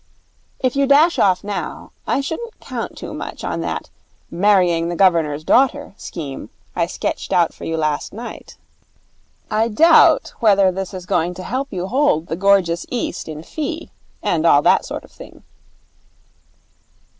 If you dash off now, I shouldn't count too much on that marrying the Governor's daughter scheme I sketched out for you last night. I doubt whether this is going to help you to hold the gorgeous East in fee, and all that sort of thing.'